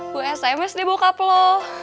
gue sms deh bokap lo